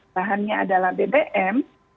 bahannya adalah bbm